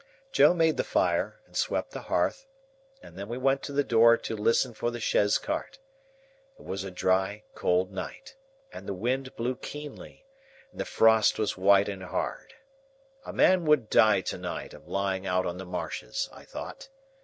Joe made the fire and swept the hearth, and then we went to the door to listen for the chaise cart. It was a dry cold night, and the wind blew keenly, and the frost was white and hard. A man would die to night of lying out on the marshes, I thought.